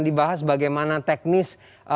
dibahas bagaimana teknis